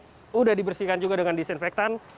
sudah dibersihkan juga dengan disinfektan